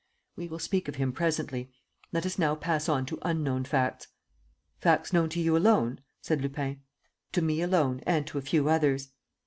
"We will speak of him presently. Let us now pass on to unknown facts." "Facts known to you alone," said Lupin. "To me alone and to a few others."